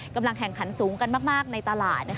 กำลังแข่งขันสูงกันมากในตลาด